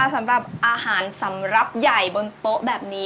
สำหรับอาหารสำหรับใหญ่บนโต๊ะแบบนี้